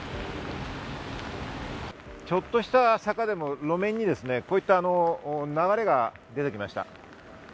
ちょっとした坂でも路面にこういった流れが出てきました。